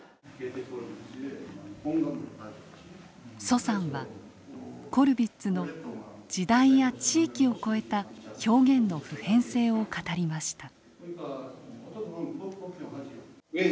徐さんはコルヴィッツの時代や地域をこえた表現の普遍性を語りました。